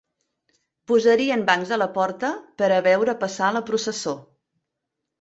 Posarien bancs a la porta pera veure passar la processó